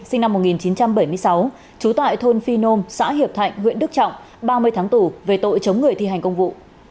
sinh năm một nghìn chín trăm bảy mươi sáu trú tại thôn phi nôm xã hiệp thạnh huyện đức trọng ba mươi tháng tù về tội chống người thi hành công vụ